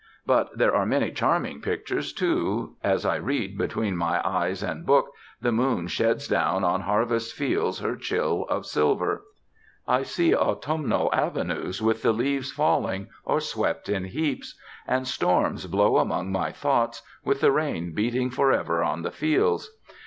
But there are many charming pictures too: as I read, between my eyes and book, the Moon sheds down on harvest fields her chill of silver; I see autumnal avenues, with the leaves falling, or swept in heaps; and storms blow among my thoughts, with the rain beating for ever on the fields.